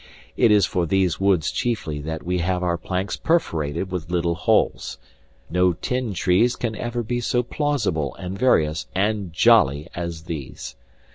It is for these woods chiefly that we have our planks perforated with little holes. No tin trees can ever be so plausible and various and jolly as these.